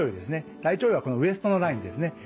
大腸兪はこのウエストのラインですね。